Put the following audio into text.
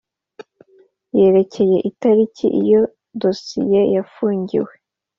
Yerekeye itariki iyo dosiye yafunguriwe